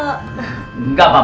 apaan atau apaan